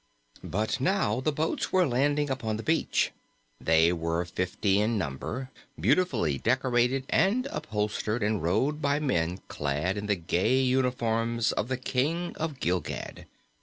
But now the boats were landing upon the beach. They were fifty in number, beautifully decorated and upholstered and rowed by men clad in the gay uniforms of the King of Gilgad.